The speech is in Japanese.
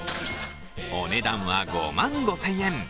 お値段は５万５０００円。